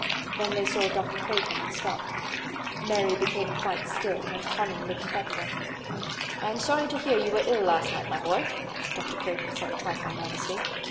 Then they saw Dr. Craven and stopped. Mary became quite still and Colin looked fretful. "I am sorry to hear you were ill last night, my boy," Dr. Craven said a trifle nervously.